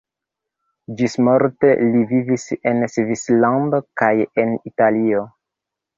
Ĝismorte li vivis en Svislando kaj en Italio.